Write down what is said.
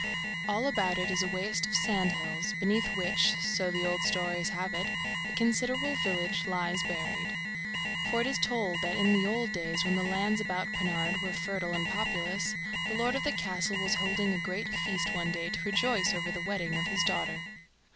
All about it is a waste of sandhills, beneath which, so the old stories have it, a considerable village lies buried. For it is told that in the old days, when the lands about Pennard were fertile and populous, the lord of the castle was holding a great feast one day to rejoice over the wedding of his daughter.